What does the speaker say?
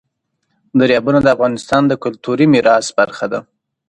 دریابونه د افغانستان د کلتوري میراث برخه ده.